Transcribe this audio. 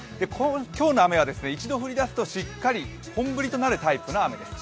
今日の雨は一度降りだすとしっかり本降りとなるタイプの雨です。